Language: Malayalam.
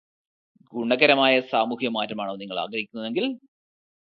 ഗുണപരമായ സാമൂഹ്യമാറ്റമാണു നിങ്ങള് ആഗ്രഹിക്കുന്നതെങ്കില്.